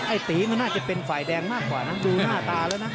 ตีมันน่าจะเป็นฝ่ายแดงมากกว่านะดูหน้าตาแล้วนะ